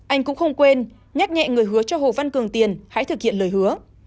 anh cũng không quên nhắc nhẹ người hứa cho hồ văn cường tiền hãy thực hiện lời hứa